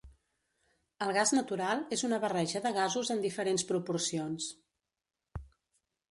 El gas natural és una barreja de gasos en diferents proporcions.